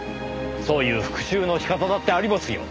そういう復讐の仕方だってありますよ。